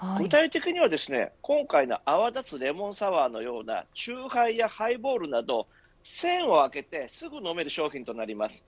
具体的には今回の泡立つレモンサワ―のようなチューハイやハイボールなど栓を開けてすぐ飲める商品です。